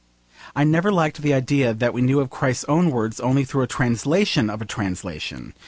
I never liked the idea that we knew of Christ's own words only through a translation of a translation.